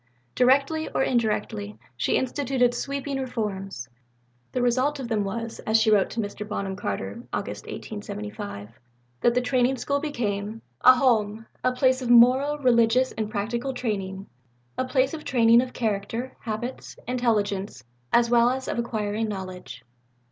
Directly or indirectly, she instituted sweeping reforms. The result of them was, as she wrote to Mr. Bonham Carter (Aug. 1875), that the Training School became "a Home a place of moral, religious and practical training a place of training of character, habits, intelligence, as well as of acquiring knowledge."